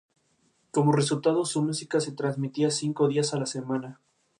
Como resultado, su música se retransmitía cinco días a la semana.